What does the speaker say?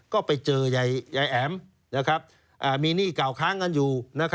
ก็ไปเจอยายแอ๋มมีหนี้เก่าค้างกันอยู่